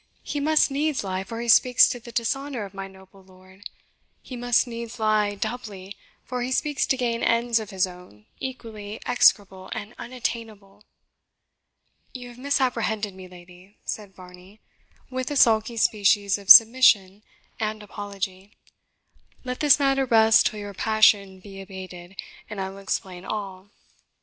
He must needs lie, for he speaks to the dishonour of my noble lord; he must needs lie doubly, for he speaks to gain ends of his own, equally execrable and unattainable." "You have misapprehended me, lady," said Varney, with a sulky species of submission and apology; "let this matter rest till your passion be abated, and I will explain all."